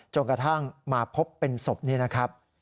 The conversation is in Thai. กระทั่งมาพบเป็นศพนี่นะครับ